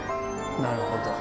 なるほど。